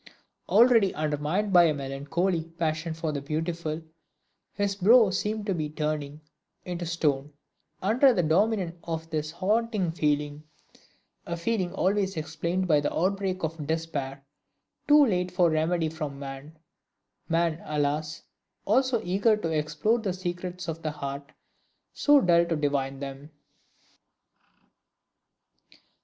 Already undermined by a melancholy passion for the Beautiful, his brow seemed to be turning into stone under the dominion of this haunting feeling: a feeling always explained by the outbreak of despair, too late for remedy from man man, alas! so eager to explore the secrets of the heart so dull to divine them!